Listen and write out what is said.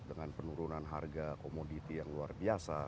dengan penurunan harga komoditi yang luar biasa